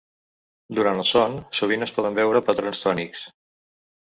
Durant el son, sovint es poden veure patrons tònics.